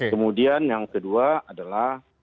kemudian yang kedua adalah